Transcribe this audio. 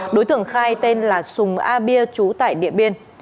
đối tượng khai tên là sùng a bia trú tại điện biên